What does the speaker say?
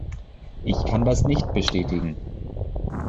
Ich kann das nicht bestätigen.